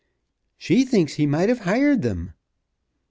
"She thinks he might have hired them."